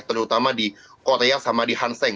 terutama di korea sama di hanseng